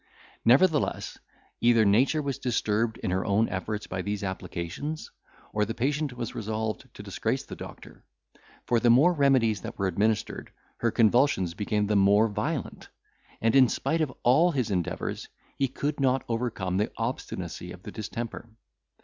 Nevertheless, either nature was disturbed in her own efforts by these applications, or the patient was resolved to disgrace the doctor. For the more remedies that were administered, her convulsions became the more violent; and in spite of all his endeavours, he could not overcome the obstinacy of the distemper.